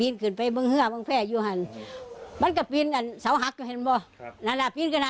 และแล้วทั้งคี่ฟังทุกคนเนี่ยค่ะ